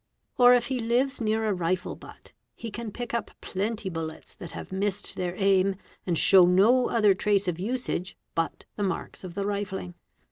Or if he lives near a rifle butt, he can pick up plenty bullets that have missed their aim and show no other trace of usage but the marks of the rifling.